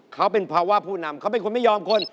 เขาเป็นภาวะผู้นำเขาเป็นคนไม่ยอมคน